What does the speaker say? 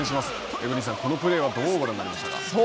エブリンさん、このプレーはどうご覧になりましたか。